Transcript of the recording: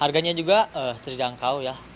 harganya juga terjangkau ya